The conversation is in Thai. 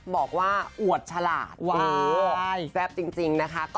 บอกว่าอวดฉลาดแซ่บจริงนะคะ